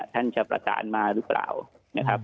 ท่านจะประสานมาหรือเปล่านะครับ